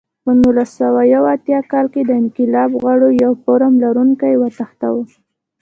په نولس سوه یو اتیا کال کې د انقلاب غړو یو فارم لرونکی وتښتاوه.